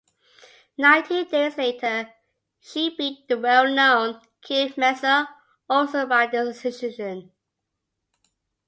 Nineteen days later, she beat the well known Kim Messer, also by decision.